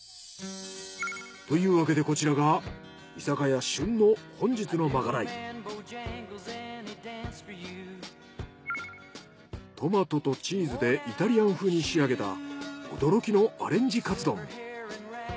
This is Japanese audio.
というわけでこちらがトマトとチーズでイタリアン風に仕上げた驚きのアレンジカツ丼。